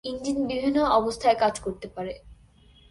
Engine বিভিন্ন অবস্থায় কাজ করতে পারে।